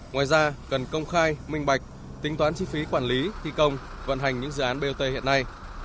ngoài ra cần công khai minh bạch tính toán chi phí quản lý thi công vận hành những dự án bot hiện nay